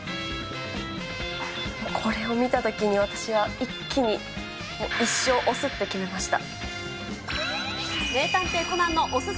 もうこれを見たときに私は一気に、もう一生推すって決めました。